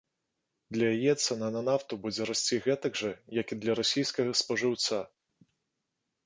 Для яе цана на нафту будзе расці гэтак жа, як і для расійскага спажыўца.